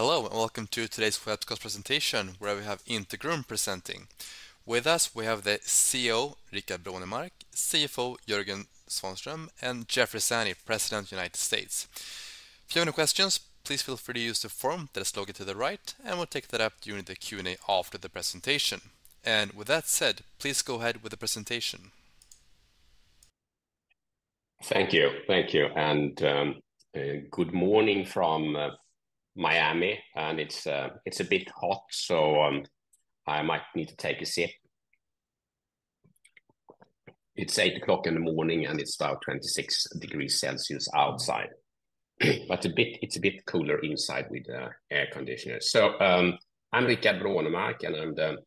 Hello, and welcome to today's webcast presentation, where we have Integrum presenting. With us, we have the CEO, Rickard Brånemark, CFO, Jörgen Svanström, and Jeffrey Zanni, President, U.S. If you have any questions, please feel free to use the form that is located to the right, and we'll take that up during the Q&A after the presentation. With that said, please go ahead with the presentation. Thank you. Thank you, and good morning from Miami, and it's a bit hot, so I might need to take a sip. It's 8:00 A.M., and it's about 26 degrees Celsius outside, but it's a bit cooler inside with air conditioner. So, I'm Rickard Brånemark, and I'm the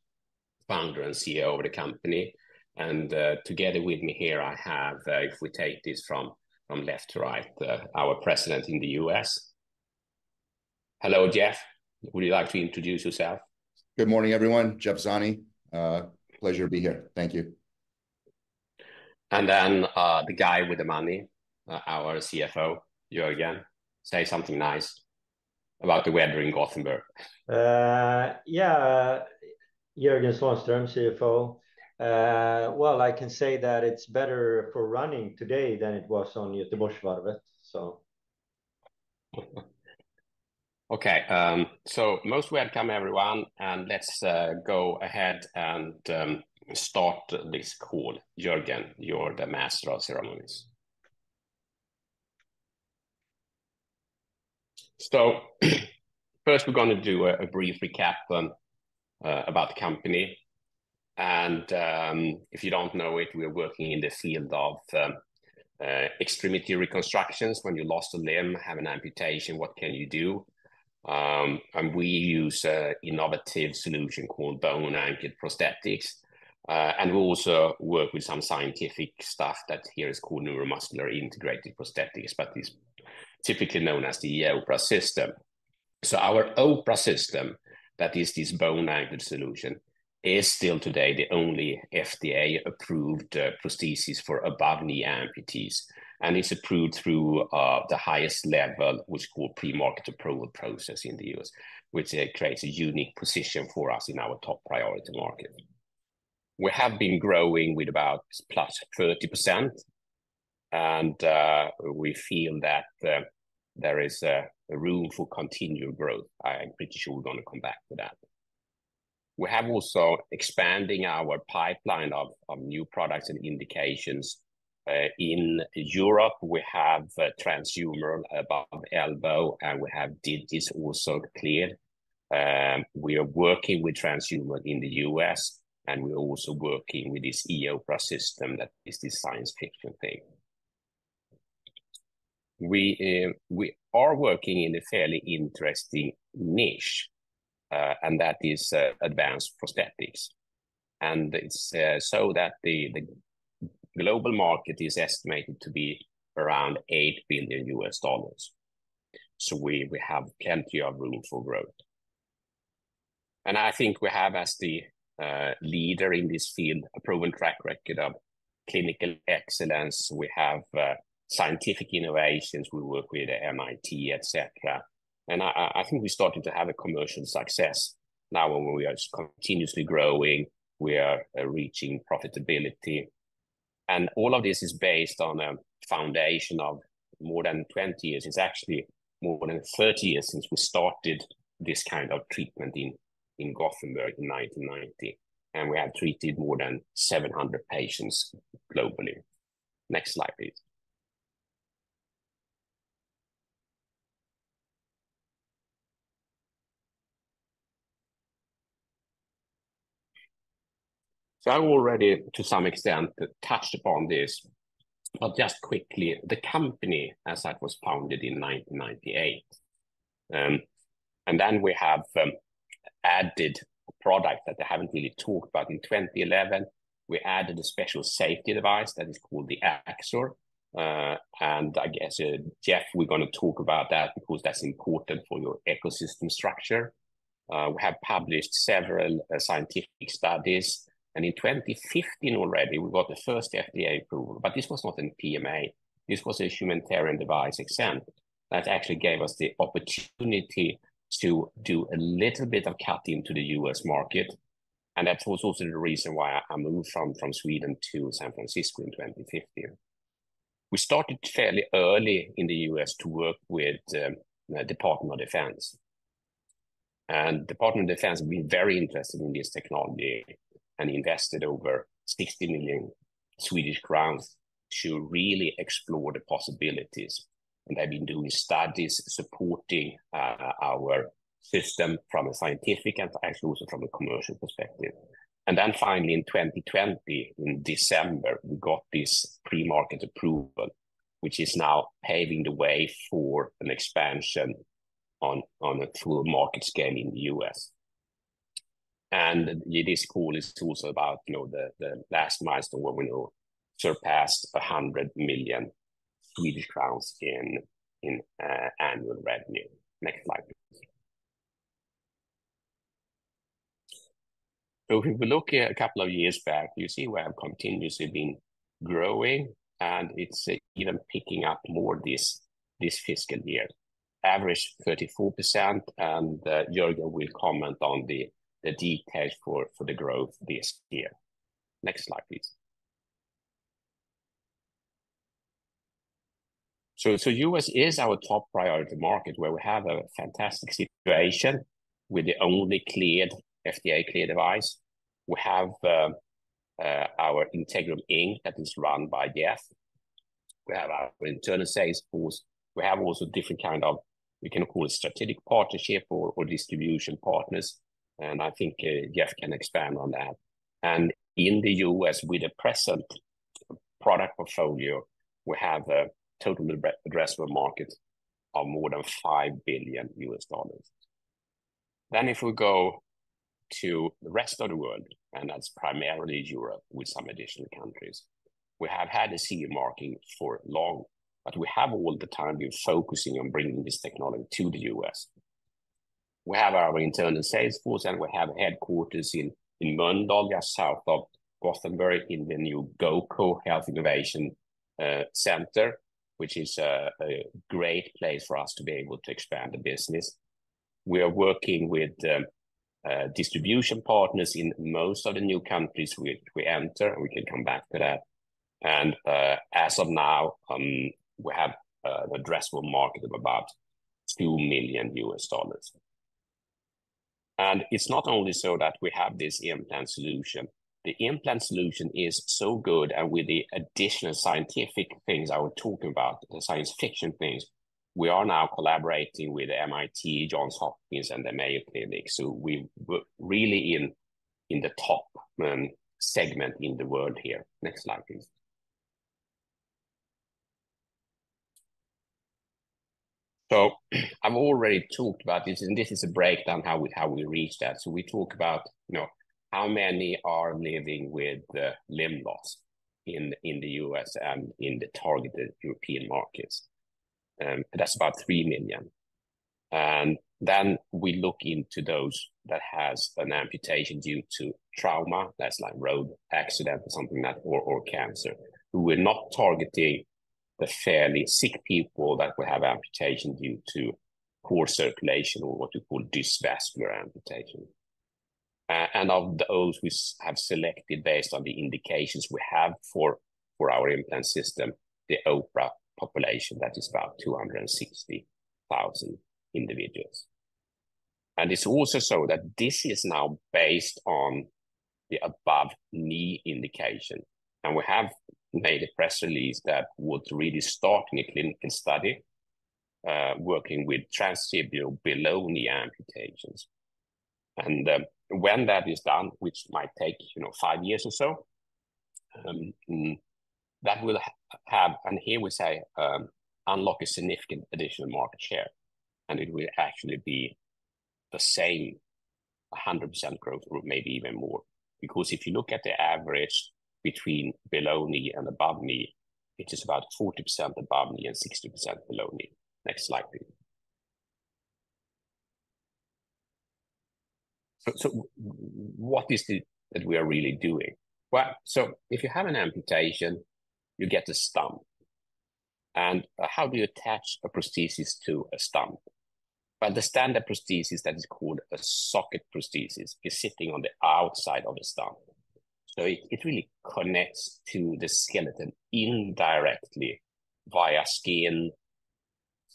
founder and CEO of the company, and together with me here, I have, if we take this from left to right, our president in the US. Hello, Jeff. Would you like to introduce yourself? Good morning, everyone. Jeff Zanni. Pleasure to be here. Thank you. And then, the guy with the money, our CFO, Jörgen, say something nice about the weather in Gothenburg. Yeah, Jörgen Svanström, CFO. Well, I can say that it's better for running today than it was on Göteborgsvarvet, so... Okay, so most welcome, everyone, and let's go ahead and start this call. Jörgen, you're the master of ceremonies. So, first, we're going to do a brief recap on about the company. If you don't know it, we're working in the field of extremity reconstructions. When you lost a limb, have an amputation, what can you do? And we use a innovative solution called bone-anchored prosthetics. And we also work with some scientific stuff that here is called neuromuscular integrated prosthetics, but it's typically known as the e-OPRA system. So our OPRA system, that is this bone-anchored solution, is still today the only FDA-approved prosthesis for above-knee amputees, and it's approved through the highest level, which is called pre-market approval process in the US, which creates a unique position for us in our top priority market. We have been growing with about +30%, and we feel that there is a room for continued growth. I'm pretty sure we're going to come back to that. We have also expanding our pipeline of new products and indications. In Europe, we have transhumeral above elbow, and we have digits also cleared. We are working with transhumeral in the U.S., and we're also working with this e-OPRA system that is this science fiction thing. We are working in a fairly interesting niche, and that is advanced prosthetics. And it's so that the global market is estimated to be around $8 billion. So we have plenty of room for growth. And I think we have, as the leader in this field, a proven track record of clinical excellence. We have scientific innovations. We work with MIT, et cetera. And I think we started to have a commercial success now when we are continuously growing, we are reaching profitability. And all of this is based on a foundation of more than 20 years. It's actually more than 30 years since we started this kind of treatment in Gothenburg in 1990, and we have treated more than 700 patients globally. Next slide, please. So I've already, to some extent, touched upon this, but just quickly, the company that was founded in 1998. And then we have added a product that I haven't really talked about. In 2011, we added a special safety device that is called the Axor. And I guess, Jeff, we're going to talk about that because that's important for your ecosystem structure. We have published several scientific studies, and in 2015 already, we got the first FDA approval, but this was not in PMA. This was a humanitarian device exempt that actually gave us the opportunity to do a little bit of cut into the U.S. market, and that was also the reason why I moved from Sweden to San Francisco in 2015. We started fairly early in the U.S. to work with Department of Defense. And Department of Defense has been very interested in this technology and invested over 60 million Swedish crowns to really explore the possibilities. And they've been doing studies supporting our system from a scientific and actually also from a commercial perspective. And then finally, in 2020, in December, we got this pre-market approval, which is now paving the way for an expansion on, on a true market scale in the US. And this call is also about, you know, the, the last milestone when we surpassed 100 million Swedish crowns in, in, annual revenue. Next slide, please. So if we look at a couple of years back, you see we have continuously been growing, and it's even picking up more this, this fiscal year. Average 34%, and, Jörgen will comment on the, the details for, for the growth this year. Next slide, please. So, so US is our top priority market, where we have a fantastic situation with the only cleared, FDA cleared device. We have, our Integrum Inc., that is run by Jeff. We have our internal sales force. We have also different kind of, we can call it strategic partnership or, or distribution partners, and I think, Jeff can expand on that. In the U.S., with the present product portfolio, we have a total addressable market of more than $5 billion. If we go to the rest of the world, and that's primarily Europe, with some additional countries, we have had a CE marking for long, but we have all the time been focusing on bringing this technology to the U.S. We have our internal sales force, and we have headquarters in, in Mölndal, just south of Gothenburg, in the new GoCo Health Innovation Center, which is a great place for us to be able to expand the business. We are working with distribution partners in most of the new countries we enter, and we can come back to that. And as of now we have an addressable market of about $2 million. And it's not only so that we have this implant solution. The implant solution is so good, and with the additional scientific things I will talk about, the science fiction things, we are now collaborating with MIT, Johns Hopkins, and the Mayo Clinic, so we're really in the top segment in the world here. Next slide, please. So I've already talked about this, and this is a breakdown how we reach that. So we talk about, you know, how many are living with limb loss in the U.S. and in the targeted European markets, and that's about 3 million. And then we look into those that has an amputation due to trauma, that's like road accident or something like that, or cancer. We're not targeting the fairly sick people that will have amputation due to poor circulation or what you call dysvascular amputation. And of those we have selected based on the indications we have for our implant system, the OPRA population, that is about 260,000 individuals. And it's also so that this is now based on the above-knee indication, and we have made a press release that would really start in a clinical study working with transfemoral below-knee amputations. When that is done, which might take, you know, 5 years or so, that will have, and here we say, unlock a significant additional market share, and it will actually be the same 100% growth or maybe even more. Because if you look at the average between below knee and above knee, it is about 40% above knee and 60% below knee. Next slide, please. So what is it that we are really doing? Well, so if you have an amputation, you get a stump. And how do you attach a prosthesis to a stump? Well, the standard prosthesis, that is called a socket prosthesis, is sitting on the outside of the stump. So it really connects to the skeleton indirectly via skin,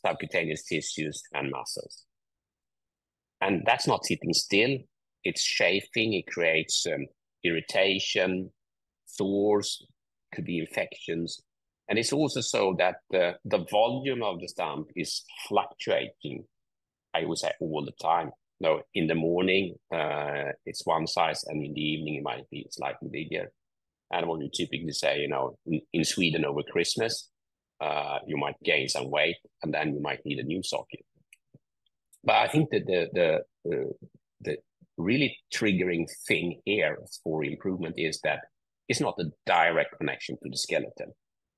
subcutaneous tissues and muscles. That's not sitting still; it's chafing, it creates irritation, sores, could be infections. It's also so that the volume of the stump is fluctuating, I would say, all the time. Now, in the morning, it's one size, and in the evening it might be slightly bigger. And what you typically say, you know, in Sweden over Christmas, you might gain some weight, and then you might need a new socket. But I think the really triggering thing here for improvement is that it's not a direct connection to the skeleton.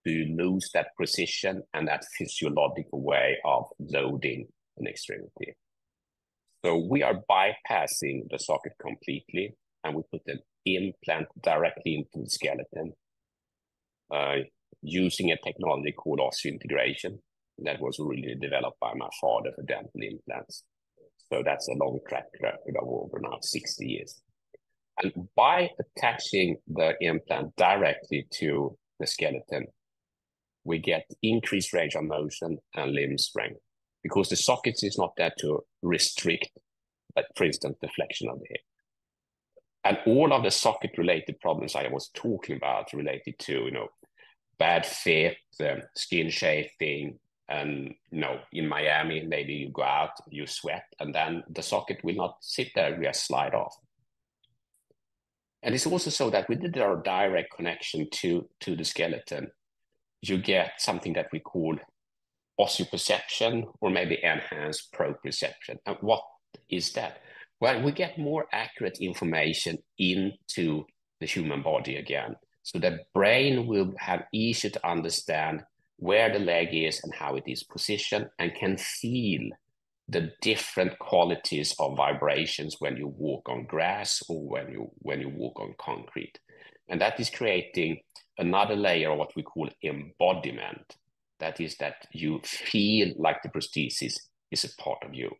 You lose that precision and that physiological way of loading an extremity. So we are bypassing the socket completely, and we put an implant directly into the skeleton, using a technology called osseointegration that was really developed by Brånemark for dental implants. So that's a long track of over 60 years now. And by attaching the implant directly to the skeleton, we get increased range of motion and limb strength, because the sockets is not there to restrict, like, for instance, the flexion of the hip. And all of the socket-related problems I was talking about related to, you know, bad fit, the skin chafing, you know, in Miami, maybe you go out, you sweat, and then the socket will not sit there, will just slide off. And it's also so that with our direct connection to the skeleton, you get something that we call osseoperception or maybe enhanced proprioception. And what is that? Well, we get more accurate information into the human body again. So the brain will have easier to understand where the leg is and how it is positioned and can feel-... The different qualities of vibrations when you walk on grass or when you walk on concrete. And that is creating another layer of what we call embodiment. That is that you feel like the prosthesis is a part of you.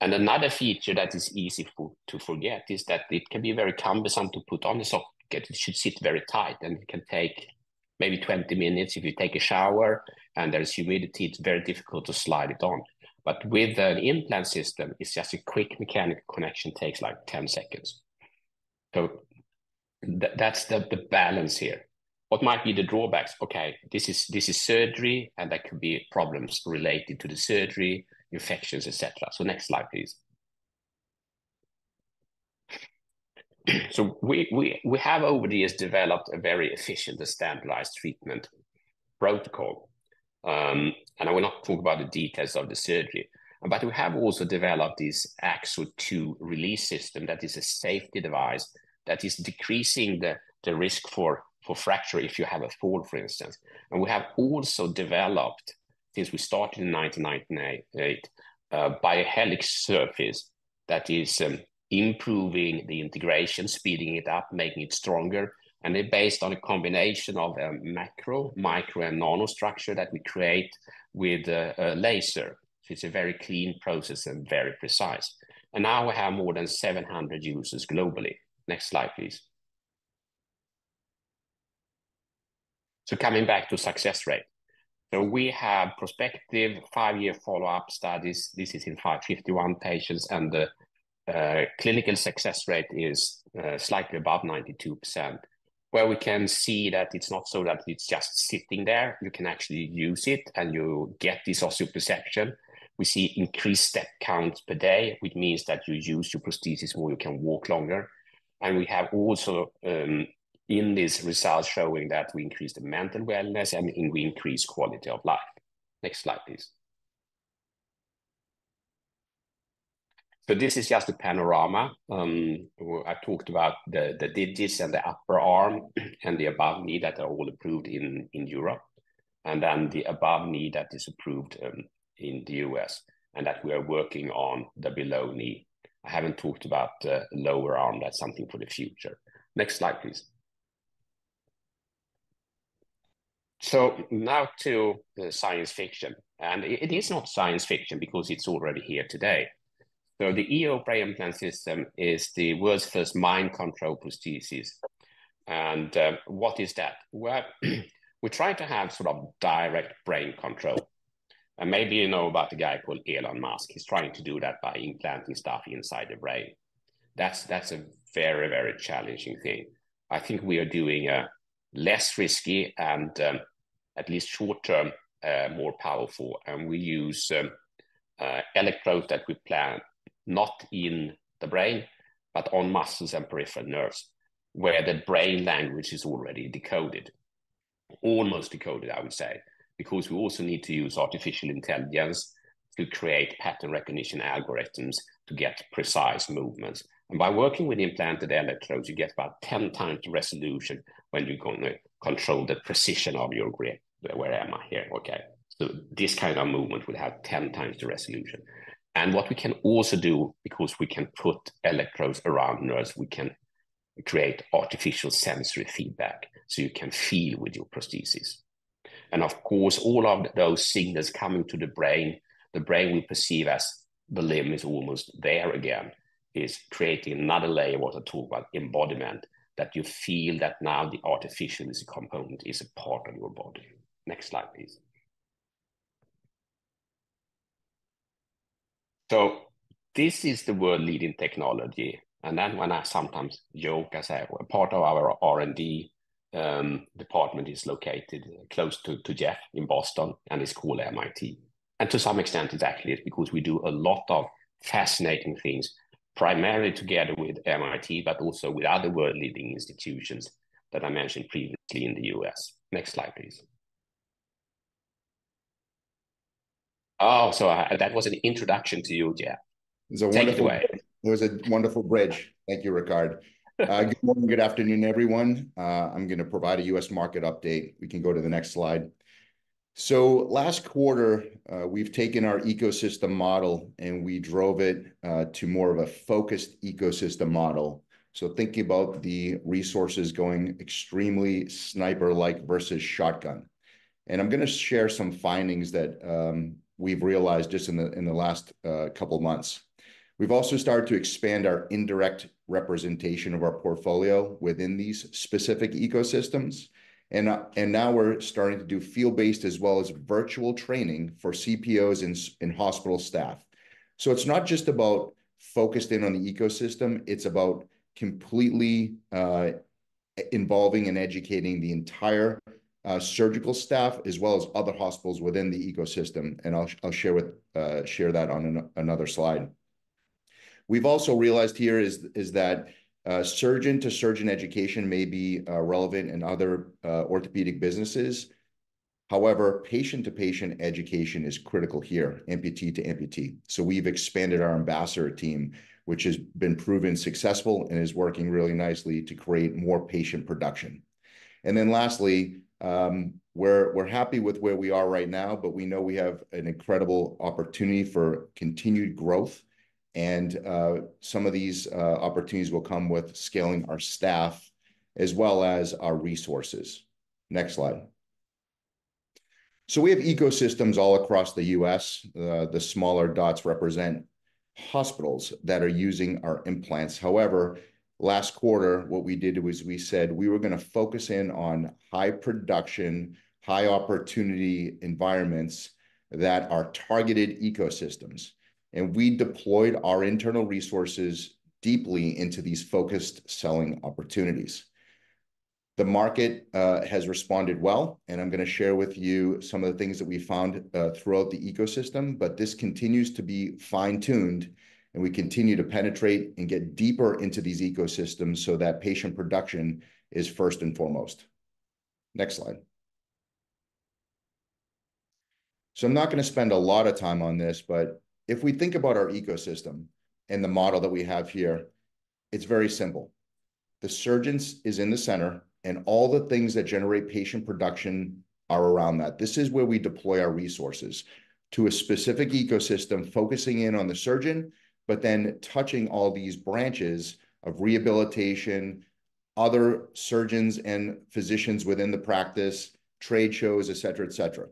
And another feature that is easy to forget is that it can be very cumbersome to put on, the socket. It should sit very tight, and it can take maybe 20 minutes. If you take a shower and there's humidity, it's very difficult to slide it on. But with an implant system, it's just a quick mechanical connection, takes, like, 10 seconds. So that's the balance here. What might be the drawbacks? Okay, this is surgery, and there could be problems related to the surgery, infections, et cetera. So next slide, please. So we have over the years developed a very efficient and standardized treatment protocol. And I will not talk about the details of the surgery, but we have also developed this Axor II release system that is a safety device that is decreasing the risk for fracture if you have a fall, for instance. And we have also developed, since we started in 1998, a BioHelix surface that is improving the integration, speeding it up, making it stronger, and it's based on a combination of a macro, micro, and nano structure that we create with a laser. So it's a very clean process and very precise. And now we have more than 700 users globally. Next slide, please. So coming back to success rate. So we have prospective five-year follow-up studies. This is in 151 patients, and the clinical success rate is slightly above 92%, where we can see that it's not so that it's just sitting there. You can actually use it, and you get this osseoperception. We see increased step count per day, which means that you use your prosthesis more, you can walk longer. And we have also in this result showing that we increase the mental wellness, and we increase quality of life. Next slide, please. So this is just a panorama. I talked about the digits and the upper arm and the above knee that are all approved in Europe, and then the above knee that is approved in the U.S., and that we are working on the below knee. I haven't talked about the lower arm. That's something for the future. Next slide, please. So now to the science fiction, and it is not science fiction because it's already here today. So the e-OPRA Brain Implant System is the world's first mind-controlled prosthesis. And, what is that? Well, we're trying to have sort of direct brain control, and maybe you know about the guy called Elon Musk. He's trying to do that by implanting stuff inside the brain. That's, that's a very, very challenging thing. I think we are doing a less risky and, at least short-term, more powerful, and we use electrodes that we plant, not in the brain, but on muscles and peripheral nerves, where the brain language is already decoded. Almost decoded, I would say, because we also need to use artificial intelligence to create pattern recognition algorithms to get precise movements. And by working with implanted electrodes, you get about 10 times the resolution when you're gonna control the precision of your grip. Where am I here? Okay. So this kind of movement will have 10 times the resolution. And what we can also do, because we can put electrodes around nerves, we can create artificial sensory feedback, so you can feel with your prosthesis. And of course, all of those signals coming to the brain, the brain will perceive as the limb is almost there again. It's creating another layer what I talk about embodiment, that you feel that now the artificial component is a part of your body. Next slide, please. So this is the world-leading technology, and then when I sometimes joke, I say part of our R&D department is located close to Jeff in Boston, and it's called MIT. To some extent, exactly, it's because we do a lot of fascinating things, primarily together with MIT, but also with other world-leading institutions that I mentioned previously in the U.S. Next slide, please. Oh, so I-- that was an introduction to you, Jeff. It's a wonderful- Take it away. It was a wonderful bridge. Thank you, Rickard. Good morning, good afternoon, everyone. I'm gonna provide a U.S. market update. We can go to the next slide. So last quarter, we've taken our ecosystem model, and we drove it to more of a focused ecosystem model. So think about the resources going extremely sniper-like versus shotgun, and I'm gonna share some findings that we've realized just in the last couple of months. We've also started to expand our indirect representation of our portfolio within these specific ecosystems, and now we're starting to do field-based as well as virtual training for CPOs and hospital staff. So it's not just about focusing on the ecosystem, it's about completely involving and educating the entire surgical staff, as well as other hospitals within the ecosystem, and I'll share that on another slide. We've also realized that surgeon-to-surgeon education may be relevant in other orthopedic businesses. However, patient-to-patient education is critical here, amputee to amputee. So we've expanded our ambassador team, which has been proven successful and is working really nicely to create more patient production. And then lastly, we're happy with where we are right now, but we know we have an incredible opportunity for continued growth, and some of these opportunities will come with scaling our staff as well as our resources. Next slide. So we have ecosystems all across the U.S. The smaller dots represent hospitals that are using our implants. However, last quarter, what we did was we said we were gonna focus in on high-production, high-opportunity environments that are targeted ecosystems, and we deployed our internal resources deeply into these focused selling opportunities. The market has responded well, and I'm gonna share with you some of the things that we found throughout the ecosystem, but this continues to be fine-tuned, and we continue to penetrate and get deeper into these ecosystems so that patient production is first and foremost. Next slide. So I'm not gonna spend a lot of time on this, but if we think about our ecosystem and the model that we have here, it's very simple. The surgeons is in the center, and all the things that generate patient production are around that. This is where we deploy our resources, to a specific ecosystem, focusing in on the surgeon, but then touching all these branches of rehabilitation, other surgeons and physicians within the practice, trade shows, et cetera, et cetera.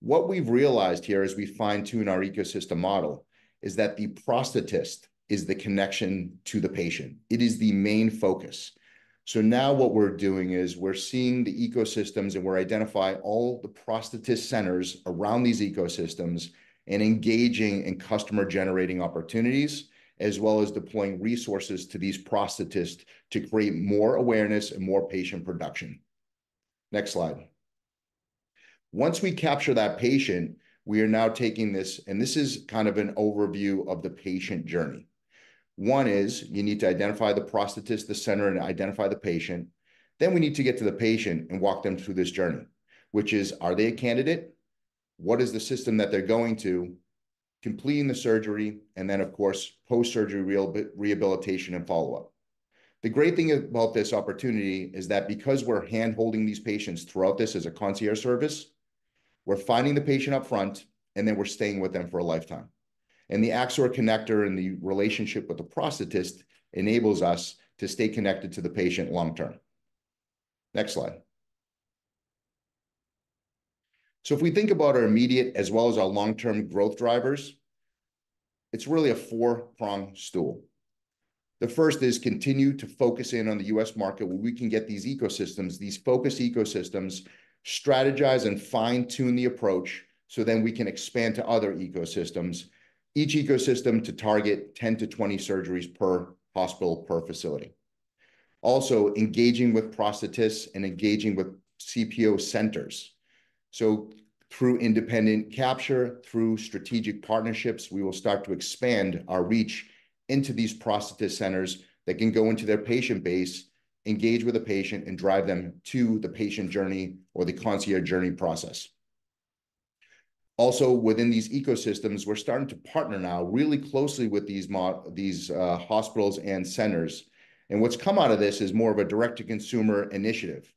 What we've realized here as we fine-tune our ecosystem model is that the prosthetist is the connection to the patient. It is the main focus. So now what we're doing is we're seeing the ecosystems, and we're identifying all the prosthetist centers around these ecosystems and engaging in customer-generating opportunities, as well as deploying resources to these prosthetists to create more awareness and more patient production. Next slide. Once we capture that patient, we are now taking this... and this is kind of an overview of the patient journey. One is you need to identify the prosthetist, the center, and identify the patient. Then we need to get to the patient and walk them through this journey, which is, are they a candidate? What is the system that they're going to? Completing the surgery, and then, of course, post-surgery rehabilitation and follow-up. The great thing about this opportunity is that because we're hand-holding these patients throughout this as a concierge service, we're finding the patient upfront, and then we're staying with them for a lifetime, and the Axor connector and the relationship with the prosthetist enables us to stay connected to the patient long-term. Next slide. So if we think about our immediate as well as our long-term growth drivers, it's really a four-pronged stool. The first is continue to focus in on the US market, where we can get these ecosystems, these focused ecosystems, strategize and fine-tune the approach, so then we can expand to other ecosystems, each ecosystem to target 10-20 surgeries per hospital, per facility. Also, engaging with prosthetists and engaging with CPO centers. So through independent capture, through strategic partnerships, we will start to expand our reach into these prosthetist centers that can go into their patient base, engage with the patient, and drive them to the patient journey or the concierge journey process. Also, within these ecosystems, we're starting to partner now really closely with these hospitals and centers, and what's come out of this is more of a direct-to-consumer initiative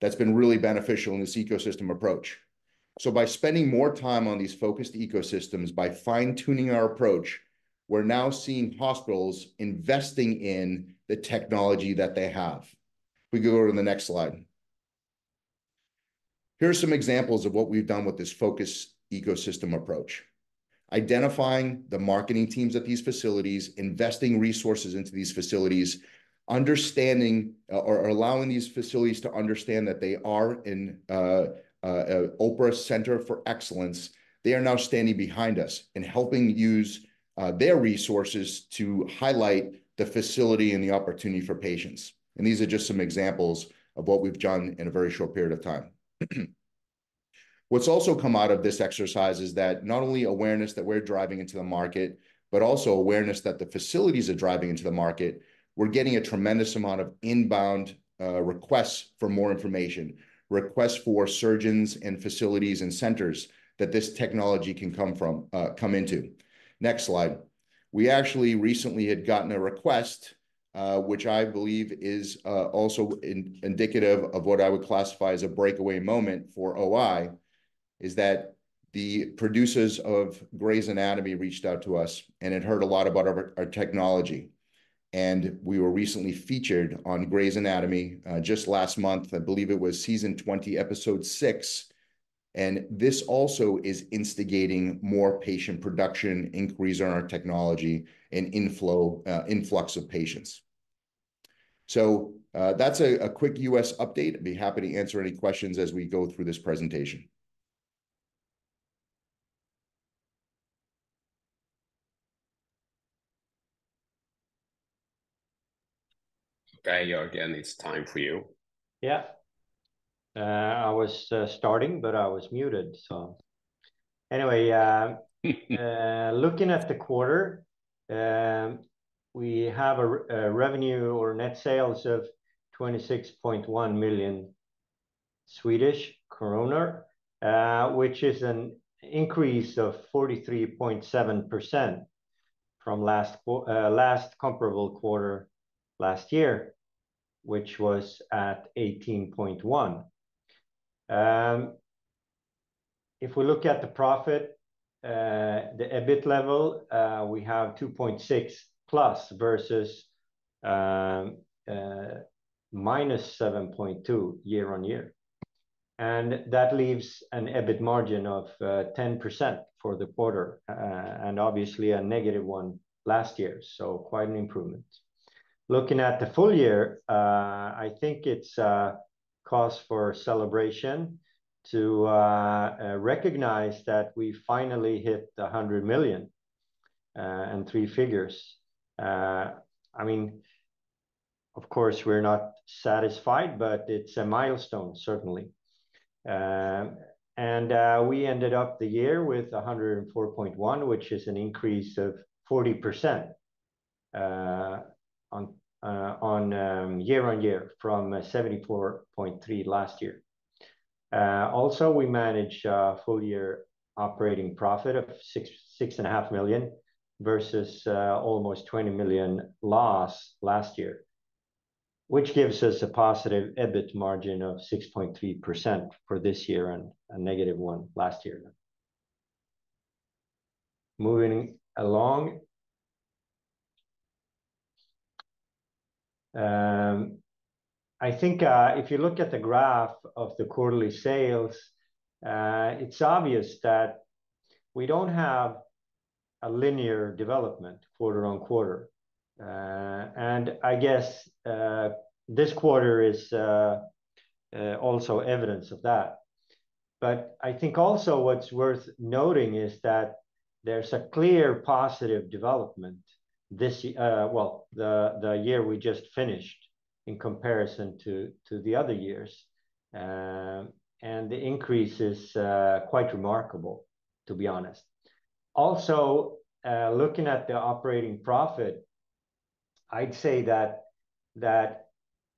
that's been really beneficial in this ecosystem approach. So by spending more time on these focused ecosystems, by fine-tuning our approach, we're now seeing hospitals investing in the technology that they have. We can go to the next slide. Here are some examples of what we've done with this focused ecosystem approach: identifying the marketing teams at these facilities, investing resources into these facilities, understanding or allowing these facilities to understand that they are a OPRA Center for Excellence. They are now standing behind us and helping use their resources to highlight the facility and the opportunity for patients, and these are just some examples of what we've done in a very short period of time. What's also come out of this exercise is that not only awareness that we're driving into the market, but also awareness that the facilities are driving into the market. We're getting a tremendous amount of inbound requests for more information, requests for surgeons and facilities and centers that this technology can come from, come into. Next slide. We actually recently had gotten a request, which I believe is also indicative of what I would classify as a breakaway moment for OI, is that the producers of Grey's Anatomy reached out to us, and had heard a lot about our, our technology, and we were recently featured on Grey's Anatomy just last month. I believe it was season 20, episode 6, and this also is instigating more patient production, inquiries on our technology, and inflow, influx of patients. So, that's a quick U.S. update. I'd be happy to answer any questions as we go through this presentation. Okay, Jörgen, it's time for you. Yeah. I was starting, but I was muted, so-... Anyway, looking at the quarter, we have a revenue or net sales of 26.1 million Swedish kronor, which is an increase of 43.7% from last comparable quarter last year, which was at 18.1 million. If we look at the profit, the EBIT level, we have 2.6+, versus -7.2 year on year. That leaves an EBIT margin of 10% for the quarter, and obviously a -1% last year, so quite an improvement. Looking at the full year, I think it's a cause for celebration to recognize that we finally hit 100 million, and three figures. I mean, of course, we're not satisfied, but it's a milestone, certainly. We ended up the year with 104.1, which is an increase of 40% on year-on-year from 74.3 last year. Also, we managed a full year operating profit of 6.5 million versus almost 20 million loss last year, which gives us a positive EBIT margin of 6.3% for this year and a negative 1% last year. Moving along, I think if you look at the graph of the quarterly sales, it's obvious that we don't have a linear development quarter-on-quarter. And I guess this quarter is also evidence of that. But I think also what's worth noting is that there's a clear positive development this year, the year we just finished in comparison to the other years. And the increase is quite remarkable, to be honest. Also, looking at the operating profit, I'd say that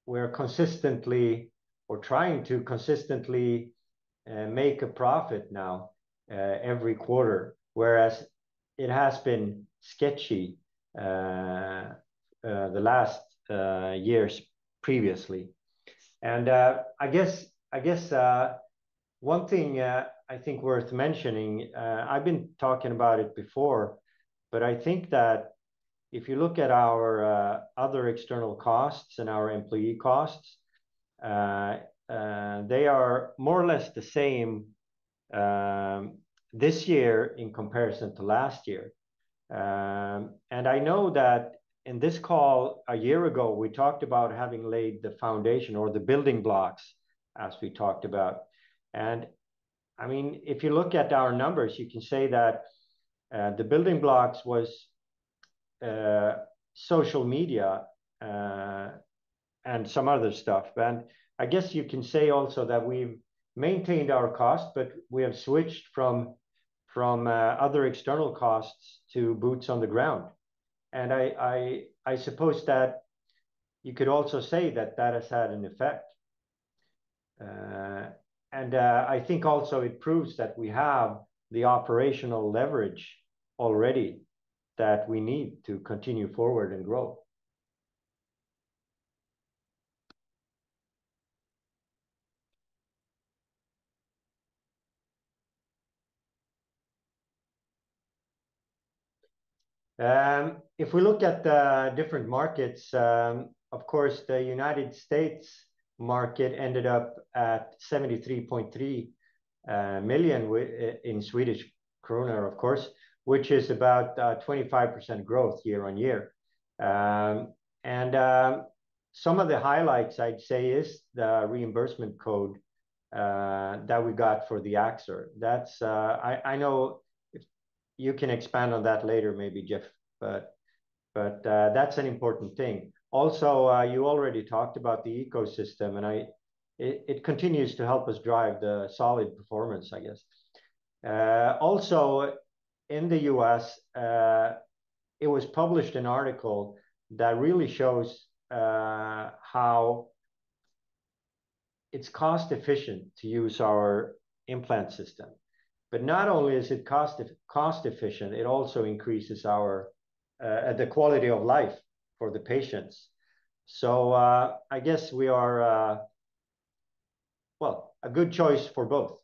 we're consistently or trying to consistently make a profit now every quarter, whereas it has been sketchy the last years previously. I guess one thing I think worth mentioning, I've been talking about it before, but I think that if you look at our other external costs and our employee costs, they are more or less the same this year in comparison to last year. And I know that in this call a year ago, we talked about having laid the foundation or the building blocks, as we talked about. And I mean, if you look at our numbers, you can say that the building blocks was social media and some other stuff. But I guess you can say also that we've maintained our cost, but we have switched from other external costs to boots on the ground. And I suppose that you could also say that that has had an effect. And I think also it proves that we have the operational leverage already that we need to continue forward and grow. If we look at the different markets, of course, the United States market ended up at 73.3 million in Swedish kronor, of course, which is about 25% growth year-on-year. And some of the highlights, I'd say, is the reimbursement code that we got for the Axor. That's... I know you can expand on that later, maybe, Jeff, but that's an important thing. Also, you already talked about the ecosystem, and it continues to help us drive the solid performance, I guess. Also, in the U.S., it was published an article that really shows how it's cost-efficient to use our implant system. But not only is it cost-efficient, it also increases the quality of life for the patients. I guess we are, well, a good choice for both.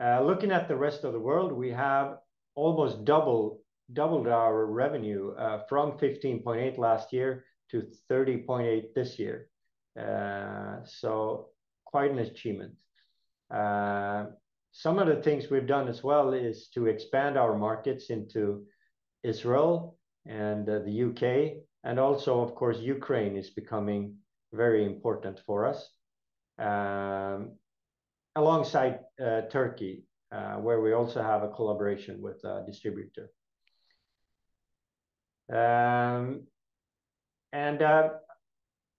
Looking at the rest of the world, we have almost doubled our revenue, from 15.8 last year to 30.8 this year. So quite an achievement. Some of the things we've done as well is to expand our markets into Israel and, the U.K., and also, of course, Ukraine is becoming very important for us, alongside, Turkey, where we also have a collaboration with a distributor.... and,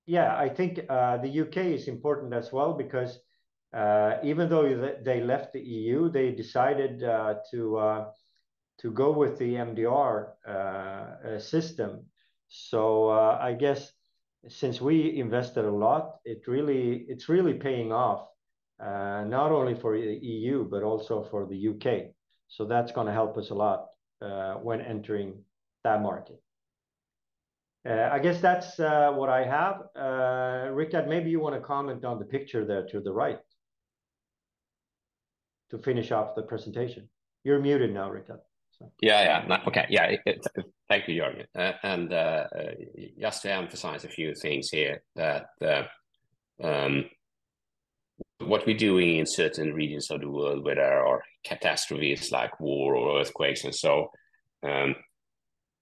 yeah, I think the UK is important as well because even though they, they left the EU, they decided to, to go with the MDR system. So I guess since we invested a lot, it really, it's really paying off, not only for the EU, but also for the UK. So that's gonna help us a lot when entering that market. I guess that's what I have. Rickard, maybe you want to comment on the picture there to the right to finish off the presentation. You're muted now, Rickard, so- Yeah, yeah. Okay. Yeah, thank you, Jörgen. And just to emphasize a few things here, that what we're doing in certain regions of the world where there are catastrophes, like war or earthquakes, and so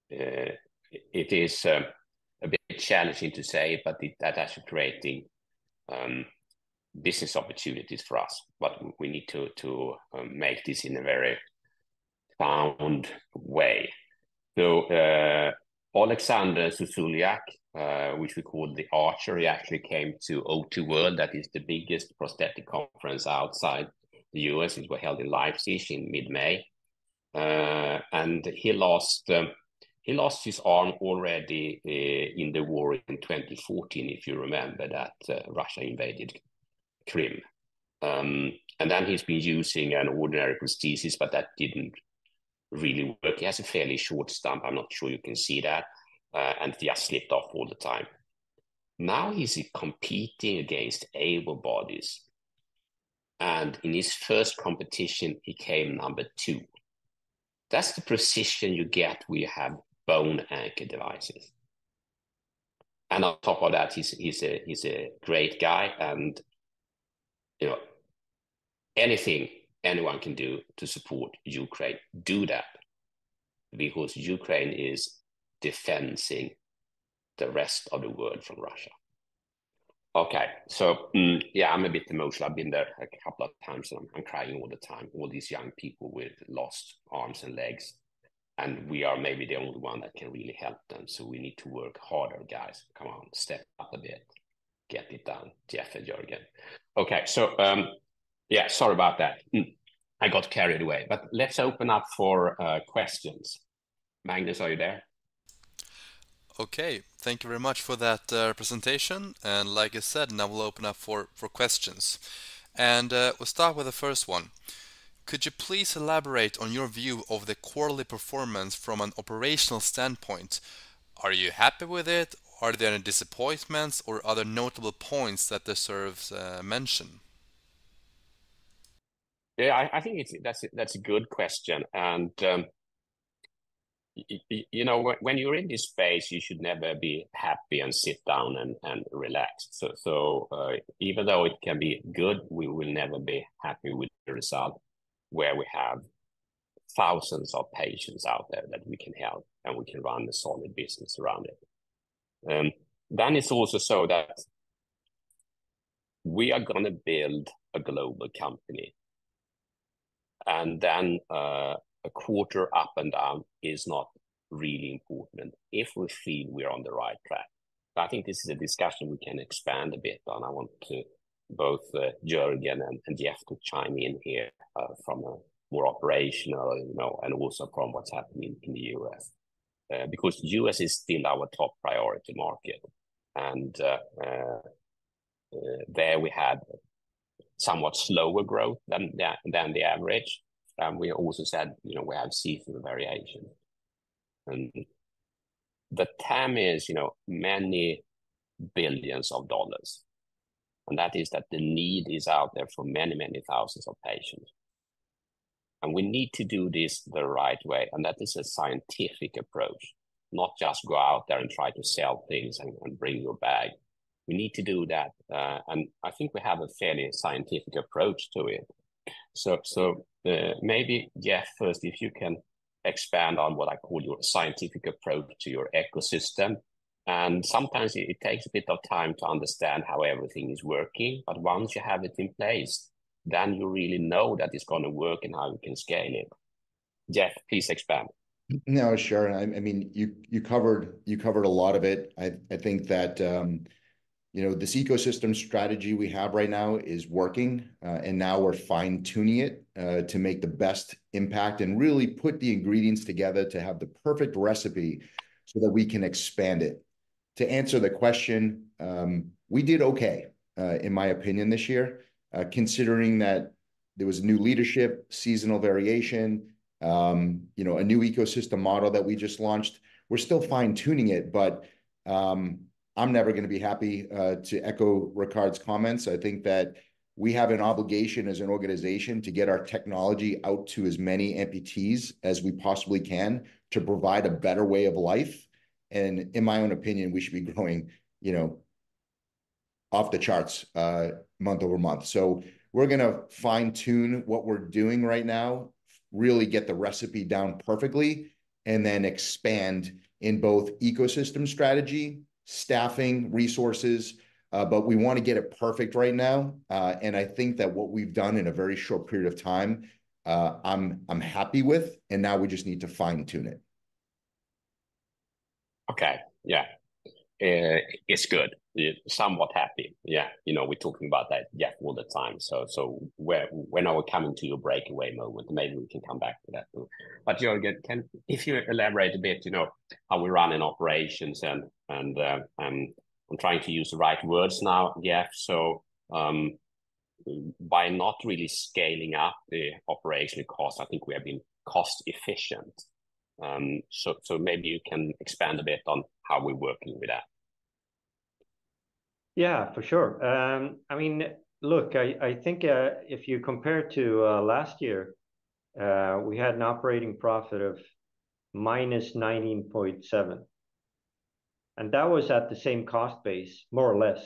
it is a bit challenging to say, but that is creating business opportunities for us. But we need to make this in a very sound way. So Oleksandr Zozuliak, which we call The Archer, he actually came to OTWorld. That is the biggest prosthetic conference outside the U.S., which were held in Leipzig in mid-May. And he lost his arm already in the war in 2014, if you remember, that Russia invaded Crimea. And then he's been using an ordinary prosthesis, but that didn't really work. He has a fairly short stump. I'm not sure you can see that. And he just slipped off all the time. Now he's competing against able bodies, and in his first competition, he came number two. That's the precision you get when you have bone anchor devices. And on top of that, he's, he's a, he's a great guy, and, you know, anything anyone can do to support Ukraine, do that, because Ukraine is defending the rest of the world from Russia. Okay. So, yeah, I'm a bit emotional. I've been there a couple of times, and I'm crying all the time. All these young people with lost arms and legs, and we are maybe the only one that can really help them, so we need to work harder, guys. Come on, step up a bit. Get it done, Jeff and Jörgen. Okay, so, yeah, sorry about that. I got carried away. Let's open up for questions. Magnus, are you there? Okay. Thank you very much for that presentation. And like I said, now we'll open up for questions. And we'll start with the first one. Could you please elaborate on your view of the quarterly performance from an operational standpoint? Are you happy with it? Are there any disappointments or other notable points that deserves mention? Yeah, I think it's a good question, and you know, when you're in this space, you should never be happy and sit down and relax. So, even though it can be good, we will never be happy with the result, where we have thousands of patients out there that we can help, and we can run a solid business around it. Then it's also so that we are gonna build a global company, and then a quarter up and down is not really important if we feel we're on the right track. I think this is a discussion we can expand a bit on. I want both Jörgen and Jeff to chime in here from a more operational, you know, and also from what's happening in the U.S. Because U.S. is still our top priority market, and there we had somewhat slower growth than the average. We also said, you know, we have seasonal variation. And the TAM is, you know, many $ billions, and that the need is out there for many, many thousands of patients, and we need to do this the right way, and that is a scientific approach, not just go out there and try to sell things and bring your bag. We need to do that, and I think we have a fairly scientific approach to it. So, maybe, Jeff, first, if you can expand on what I call your scientific approach to your ecosystem. Sometimes it takes a bit of time to understand how everything is working, but once you have it in place, then you really know that it's gonna work and how you can scale it. Jeff, please expand. No, sure. I mean, you covered a lot of it. I think that, you know, this ecosystem strategy we have right now is working, and now we're fine-tuning it, to make the best impact and really put the ingredients together to have the perfect recipe so that we can expand it. To answer the question, we did okay, in my opinion, this year, considering that there was new leadership, seasonal variation, you know, a new ecosystem model that we just launched. We're still fine-tuning it, but, I'm never gonna be happy. To echo Rickard's comments, I think that we have an obligation as an organization to get our technology out to as many amputees as we possibly can to provide a better way of life, and in my own opinion, we should be growing, you know, off the charts, month-over-month. So we're gonna fine-tune what we're doing right now, really get the recipe down perfectly, and then expand in both ecosystem strategy, staffing, resources, but we want to get it perfect right now. And I think that what we've done in a very short period of time, I'm happy with, and now we just need to fine-tune it.... Okay, yeah. It's good. Yeah, somewhat happy. Yeah, you know, we're talking about that, yeah, all the time. So, when are we coming to your breakaway moment? Maybe we can come back to that too. But Jörgen, if you elaborate a bit, you know, how we're running operations and, I'm trying to use the right words now, yeah. So, by not really scaling up the operational costs, I think we have been cost efficient. So, maybe you can expand a bit on how we're working with that. Yeah, for sure. I mean, look, I think if you compare to last year, we had an operating profit of -19.7, and that was at the same cost base, more or less,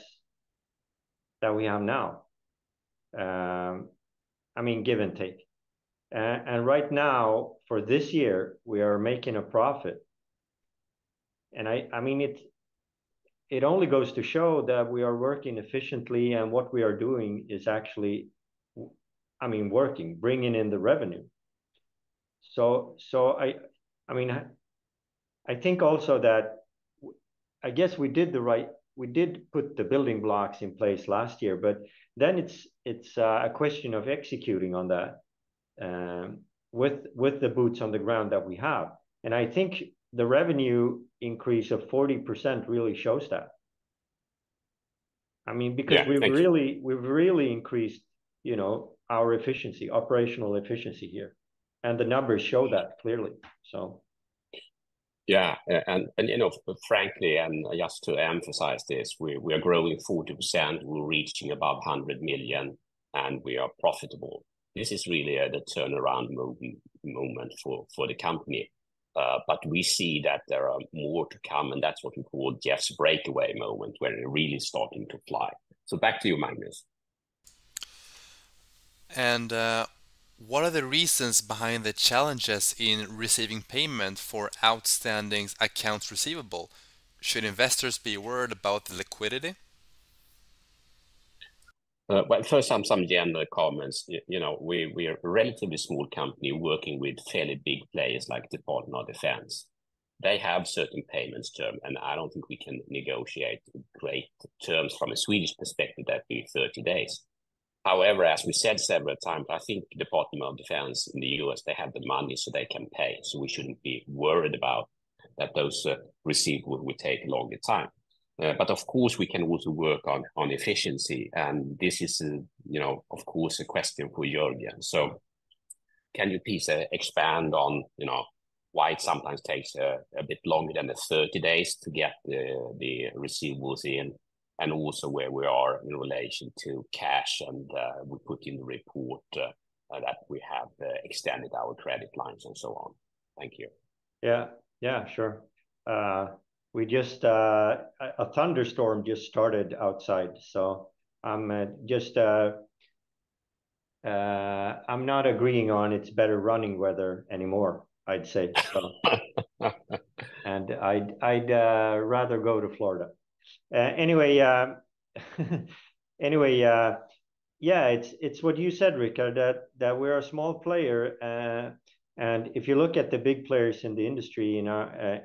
that we have now. I mean, give and take. And right now, for this year, we are making a profit, and I mean, it only goes to show that we are working efficiently, and what we are doing is actually working, bringing in the revenue. So I mean, I think also that I guess we did the right. We did put the building blocks in place last year, but then it's a question of executing on that, with the boots on the ground that we have. And I think the revenue increase of 40% really shows that. I mean, because- Yeah, thanks... we've really, we've really increased, you know, our efficiency, operational efficiency here, and the numbers show that clearly, so. Yeah, and, you know, frankly, and just to emphasize this, we are growing 40%, we're reaching above 100 million, and we are profitable. This is really, the turnaround moment for the company. But we see that there are more to come, and that's what we call Jeff's breakaway moment, where it really starting to fly. So back to you, Magnus. What are the reasons behind the challenges in receiving payment for outstanding accounts receivable? Should investors be worried about the liquidity? Well, first, some general comments. You know, we are a relatively small company working with fairly big players like Department of Defense. They have certain payment terms, and I don't think we can negotiate great terms from a Swedish perspective; that'd be 30 days. However, as we said several times, I think Department of Defense in the US, they have the money, so they can pay. So we shouldn't be worried about those receivables would take longer time. But of course, we can also work on efficiency, and this is, you know, of course, a question for Jörgen. So, can you please expand on, you know, why it sometimes takes a bit longer than the 30 days to get the receivables in, and also where we are in relation to cash, and we put in the report that we have extended our credit lines and so on. Thank you. Yeah, yeah, sure. We just... a thunderstorm just started outside, so I'm just I'm not agreeing on it's better running weather anymore, I'd say so. And I'd rather go to Florida. Anyway, yeah, it's what you said, Rick, that we're a small player. And if you look at the big players in the industry, you know,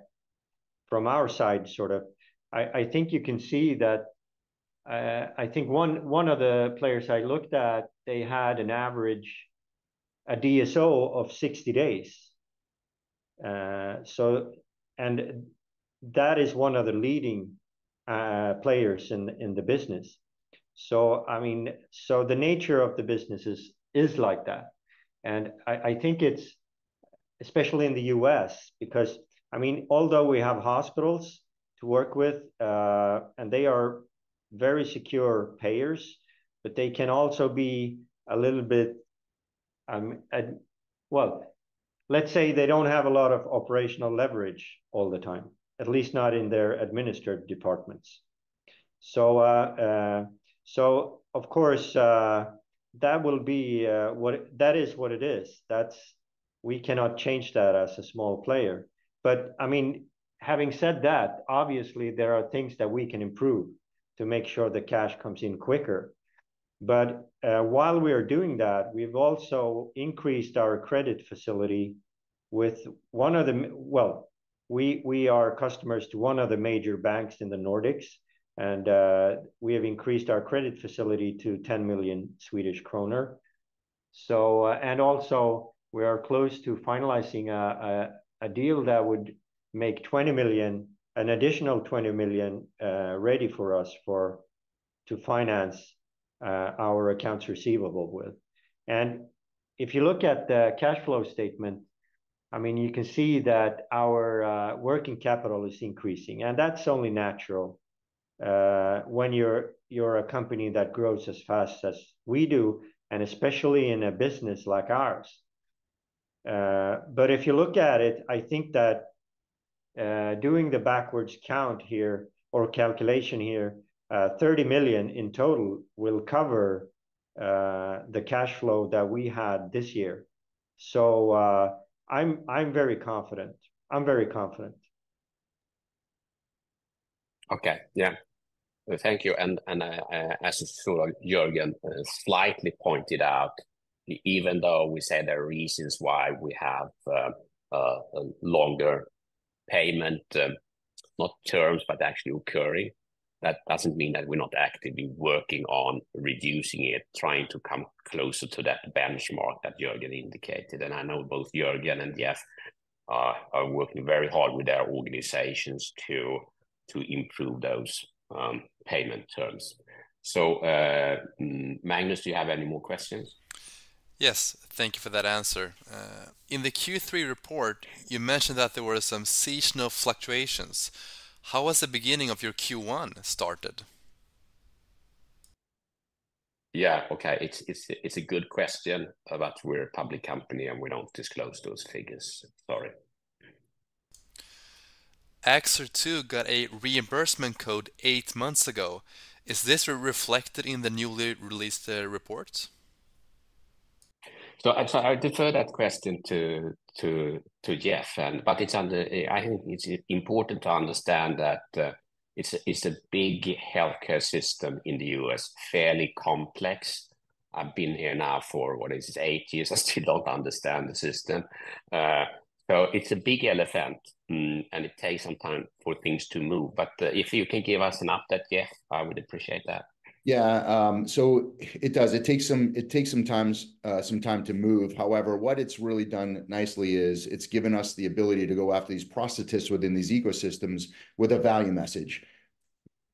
from our side, sort of, I think you can see that. I think one of the players I looked at, they had an average DSO of 60 days. So and that is one of the leading players in the business. So I mean, so the nature of the business is like that. And I think it's especially in the U.S., because, I mean, although we have hospitals to work with, and they are very secure payers, but they can also be a little bit. Well, let's say they don't have a lot of operational leverage all the time, at least not in their administered departments. So of course, that is what it is. That's we cannot change that as a small player. But, I mean, having said that, obviously, there are things that we can improve to make sure the cash comes in quicker. But while we are doing that, we've also increased our credit facility with one of the. Well, we are customers to one of the major banks in the Nordics, and we have increased our credit facility to 10 million Swedish kronor. And also, we are close to finalizing a deal that would make 20 million, an additional 20 million, ready for us to finance our accounts receivable with. And if you look at the cash flow statement, I mean, you can see that our working capital is increasing, and that's only natural when you're a company that grows as fast as we do, and especially in a business like ours. But if you look at it, I think that doing the backwards count here or calculation here, 30 million in total will cover the cash flow that we had this year. So, I'm very confident. I'm very confident.... Okay. Yeah. Thank you. And, as soon as Jörgen slightly pointed out, even though we say there are reasons why we have a longer payment, not terms, but actually occurring, that doesn't mean that we're not actively working on reducing it, trying to come closer to that benchmark that Jörgen indicated. And I know both Jörgen and Jeff are working very hard with their organizations to improve those payment terms. So, Magnus, do you have any more questions? Yes. Thank you for that answer. In the Q3 report, you mentioned that there were some seasonal fluctuations. How was the beginning of your Q1 started? Yeah, okay. It's a good question, but we're a public company, and we don't disclose those figures. Sorry. 2 got a reimbursement code eight months ago. Is this reflected in the newly released report? So I'm sorry, I defer that question to Jeff, but it's under... I think it's important to understand that it's a big healthcare system in the U.S., fairly complex. I've been here now for, what is it, eight years? I still don't understand the system. So it's a big elephant, and it takes some time for things to move. But if you can give us an update, Jeff, I would appreciate that. Yeah, so it does. It takes some time to move. However, what it's really done nicely is it's given us the ability to go after these prosthetists within these ecosystems with a value message.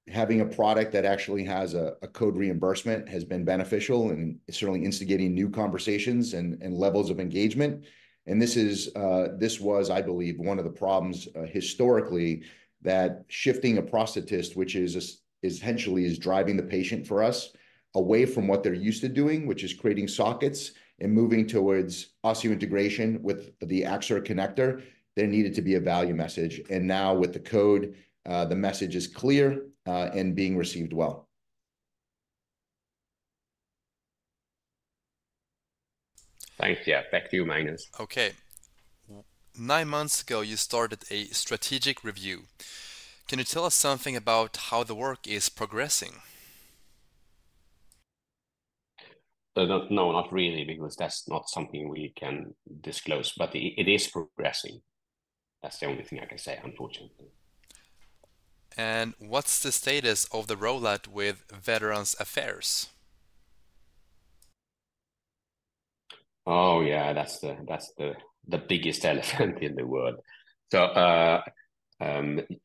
Having a product that actually has a code reimbursement has been beneficial and certainly instigating new conversations and levels of engagement. And this is, this was, I believe, one of the problems, historically, that shifting a prosthetist, which is essentially driving the patient for us away from what they're used to doing, which is creating sockets and moving towards osseointegration with the Axor connector, there needed to be a value message. And now with the code, the message is clear, and being received well. Thanks, Jeff. Back to you, Magnus. Okay. 9 months ago, you started a strategic review. Can you tell us something about how the work is progressing? No, not really, because that's not something we can disclose, but it is progressing. That's the only thing I can say, unfortunately. What's the status of the rollout with Veterans Affairs? Oh, yeah, that's the biggest elephant in the world. So,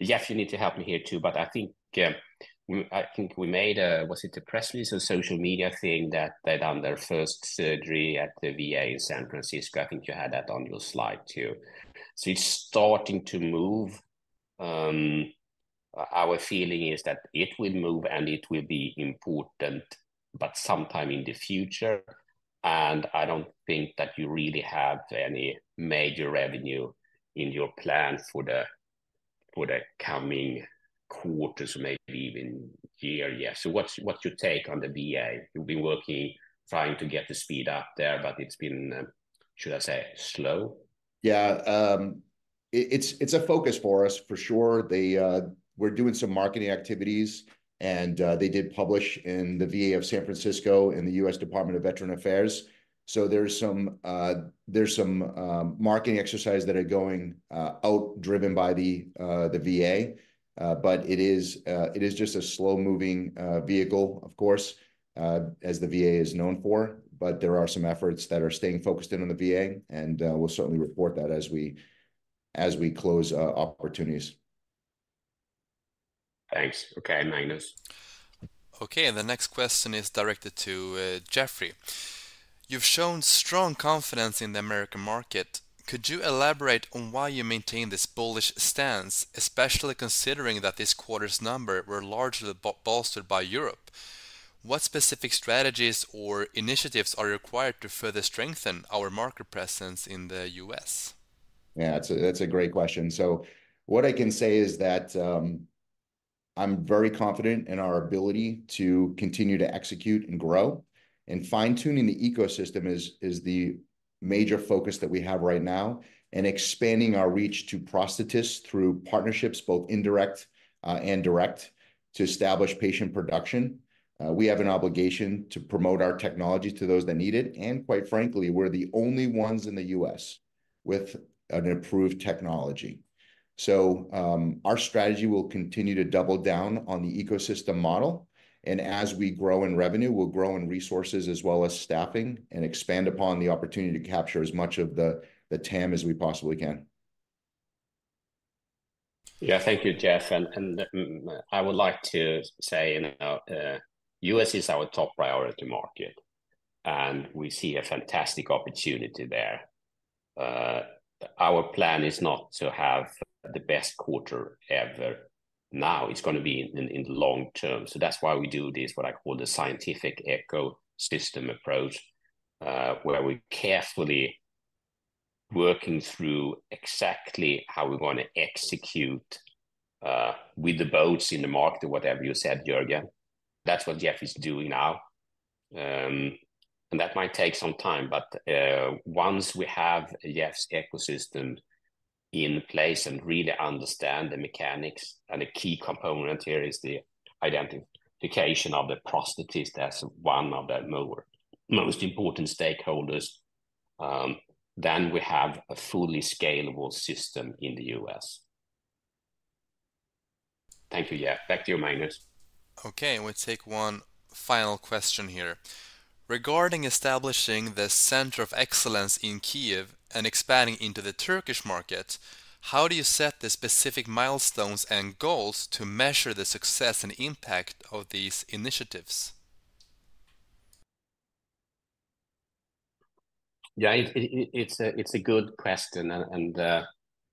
Jeff, you need to help me here, too. But I think we made a, was it a press release or social media thing, that they've done their first surgery at the VA in San Francisco. I think you had that on your slide, too. So it's starting to move. Our feeling is that it will move, and it will be important, but sometime in the future, and I don't think that you really have any major revenue in your plan for the coming quarters, maybe even year. Yeah. So what's your take on the VA? You've been working, trying to get the speed up there, but it's been, should I say, slow? Yeah, it's a focus for us for sure. We're doing some marketing activities, and they did publish in the VA of San Francisco in the U.S. Department of Veterans Affairs. So there's some marketing exercises that are going out, driven by the VA. But it is just a slow-moving vehicle, of course, as the VA is known for. But there are some efforts that are staying focused in on the VA, and we'll certainly report that as we close opportunities. Thanks. Okay, Magnus. Okay, the next question is directed to Jeffrey. You've shown strong confidence in the American market. Could you elaborate on why you maintain this bullish stance, especially considering that this quarter's number were largely bolstered by Europe? What specific strategies or initiatives are required to further strengthen our market presence in the US? Yeah, that's a great question. So what I can say is that, I'm very confident in our ability to continue to execute and grow, and fine-tuning the ecosystem is the major focus that we have right now, and expanding our reach to prosthetists through partnerships, both indirect, and direct, to establish patient production. We have an obligation to promote our technology to those that need it, and quite frankly, we're the only ones in the U.S. with an approved technology. So, our strategy will continue to double down on the ecosystem model, and as we grow in revenue, we'll grow in resources as well as staffing and expand upon the opportunity to capture as much of the TAM as we possibly can. Yeah. Thank you, Jeff. I would like to say, you know, U.S. is our top priority market, and we see a fantastic opportunity there. Our plan is not to have the best quarter ever now, it's gonna be in the long term. So that's why we do this, what I call the scientific ecosystem approach, where we're carefully working through exactly how we're gonna execute with the boats in the market, or whatever you said, Jörgen. That's what Jeff is doing now, and that might take some time, but once we have Jeff's ecosystem in place and really understand the mechanics, and the key component here is the identification of the prosthetist as one of the more most important stakeholders, then we have a fully scalable system in the U.S. Thank you, Jeff. Back to you, Magnus. Okay, we'll take one final question here. Regarding establishing the Center of Excellence in Kyiv and expanding into the Turkish market, how do you set the specific milestones and goals to measure the success and impact of these initiatives? Yeah, it's a good question, and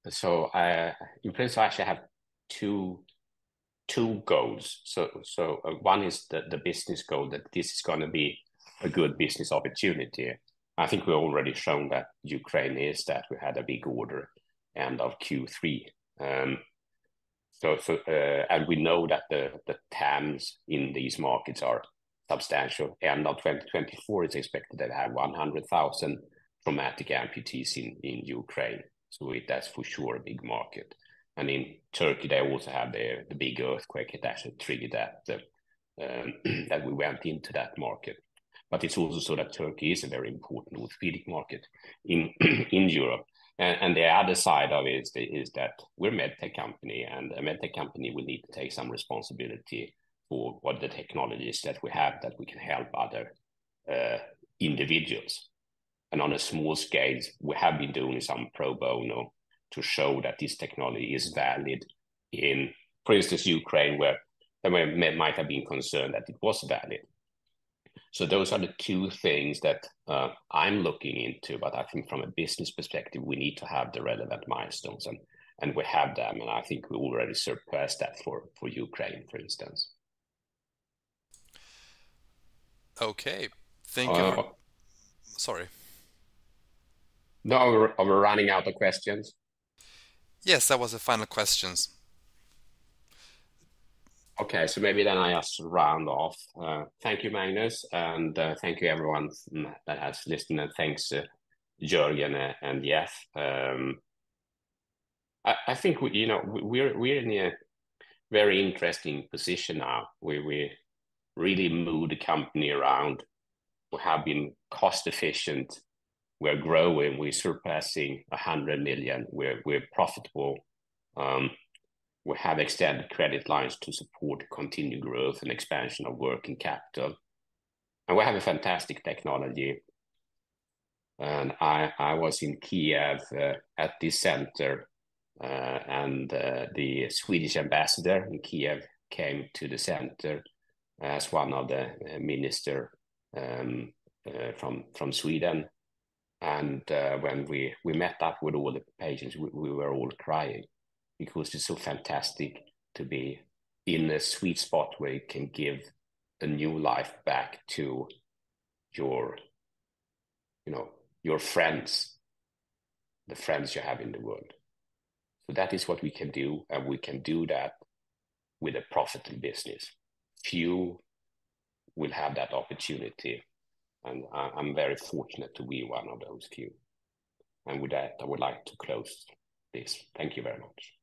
so, in principle, I actually have two goals. So, one is the business goal, that this is gonna be a good business opportunity. I think we've already shown that Ukraine is that. We had a big order end of Q3. So, and we know that the TAMS in these markets are substantial. End of 2024, it's expected to have 100,000 traumatic amputees in Ukraine, so that's for sure a big market. And in Turkey, they also had the big earthquake. It actually triggered that we went into that market. But it's also so that Turkey is a very important orthopedic market in Europe. The other side of it is that we're a med tech company, and a med tech company will need to take some responsibility for what the technologies that we have that we can help other individuals. On a small scale, we have been doing some pro bono to show that this technology is valid in, for instance, Ukraine, where they might have been concerned that it was valid. So those are the two things that I'm looking into. But I think from a business perspective, we need to have the relevant milestones, and we have them, and I think we already surpassed that for Ukraine, for instance. Okay, thank you. Oh- Sorry. No, we're running out of questions? Yes, that was the final questions. Okay, so maybe then I just round off. Thank you, Magnus, and thank you everyone that has listened, and thanks to Jörgen and Jeff. I think we, you know, we're in a very interesting position now, where we really moved the company around. We have been cost-efficient. We're growing. We're surpassing 100 million. We're profitable. We have extended credit lines to support continued growth and expansion of working capital, and we have a fantastic technology. And I was in Kyiv at the center, and the Swedish ambassador in Kyiv came to the center as one of the minister from Sweden, and when we met up with all the patients, we were all crying because it's so fantastic to be in a sweet spot where you can give a new life back to your, you know, your friends, the friends you have in the world. So that is what we can do, and we can do that with a profitable business. Few will have that opportunity, and I'm very fortunate to be one of those few. And with that, I would like to close this. Thank you very much.